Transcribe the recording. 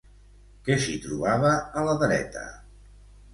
Què s'hi trobava a la dreta?